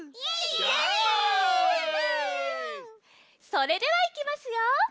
それではいきますよ！